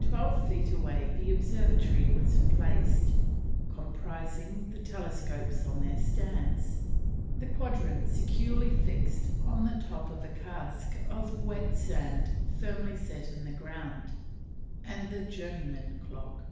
Twelve feet away the observatory was placed, comprising the telescopes on their stands, the quadrant securely fixed on the top of a cask of wet sand firmly set in the ground, and the journeyman clock.